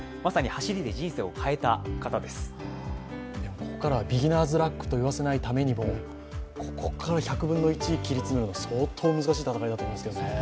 ここからはビギナーズラックと言わせないためにもここから１００分の１切り詰めるのは相当難しい戦いだと思いますね。